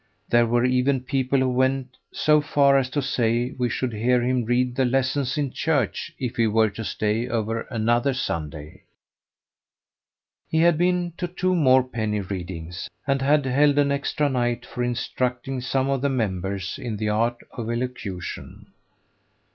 There were even people who went so far as to say we should hear him read the lessons in church if he were to stay over another Sunday. He had been to two more penny readings, and had held an extra night for instructing some of the members in the art of elocution.